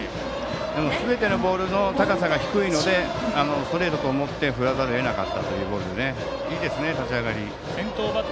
でも、すべてのボールの高さが低いのでストレートと思って振らざるをえなかったボールで。